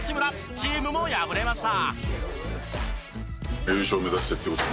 チームも敗れました。